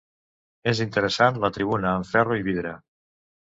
És interessant la tribuna amb ferro i vidre.